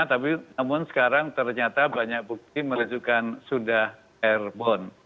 tapi namun sekarang ternyata banyak bukti menunjukkan sudah airborne